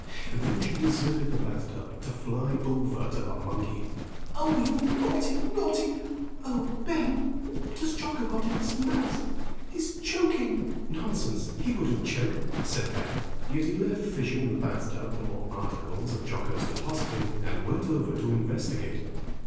Then she deserted the bath tub, to fly over to the monkey. "Oh, you naughty, naughty Oh, Ben, what has Jocko got in his mouth? He's choking!" "Nonsense, he wouldn't choke," said Ben; yet he left fishing in the bath tub for more articles of Jocko's depositing and went over to investigate.